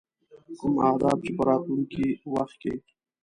کوم اهداف چې په راتلونکي وخت کې.